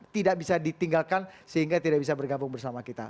tidak bisa ditinggalkan sehingga tidak bisa bergabung bersama kita